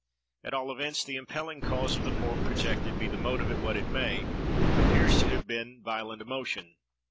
At all events the impelling cause of the form projected, be the mode of it what it may, appears to have been violent emotion.